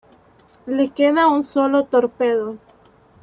Le queda un solo torpedo.